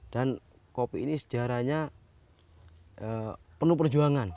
dan kopi ini sejarahnya penuh perjuangan